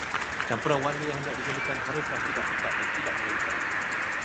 Campuran warna yang hendak digunakan haruslah tidak pekat dan tidak terlalu cair.